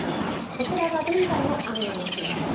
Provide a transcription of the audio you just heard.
こちらが現在の雨の様子です。